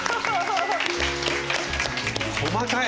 細かい！